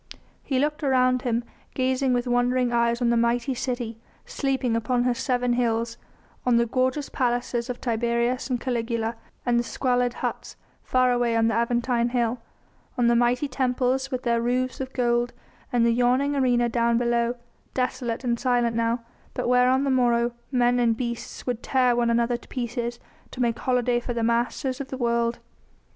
He looked around him, gazing with wondering eyes on the mighty city sleeping upon her seven hills, on the gorgeous palaces of Tiberius and Caligula and the squalid huts far away on the Aventine Hill, on the mighty temples with their roofs of gold and the yawning arena down below, desolate and silent now, but where on the morrow men and beasts would tear one another to pieces to make holiday for the masters of the world.